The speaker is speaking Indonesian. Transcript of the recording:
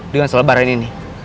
dengan selebaran ini